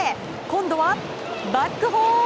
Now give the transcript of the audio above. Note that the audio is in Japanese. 今度はバックホーム！